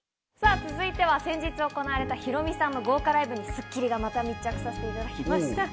続いては先日行われたヒロミさんの豪華ライブに『スッキリ』が密着させていただきました。